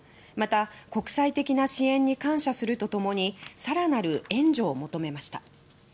また、国際的な支援に感謝するとともにさらなる援助を求めました。